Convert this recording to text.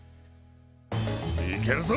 いけるぞ！